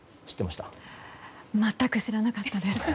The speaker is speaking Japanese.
全く知らなかったです。